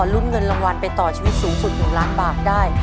ลุ้นเงินรางวัลไปต่อชีวิตสูงสุด๑ล้านบาทได้